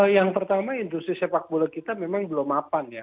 yang pertama industri persepakbola kita memang belum mapan ya